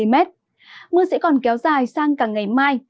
mưa sẽ còn kéo dài sang cả ngày mai